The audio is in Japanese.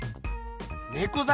ねこざ